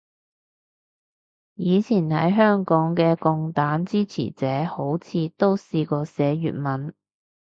以前喺香港嘅共黨支持者好似都試過寫粵文